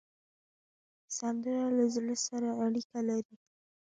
سندره له زړه سره اړیکه لري